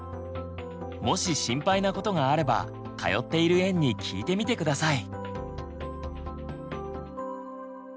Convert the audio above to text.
もし心配なことがあれば通っている園に聞いてみて下さい。